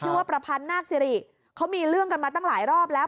ว่าประพันธ์นาคสิริเขามีเรื่องกันมาตั้งหลายรอบแล้ว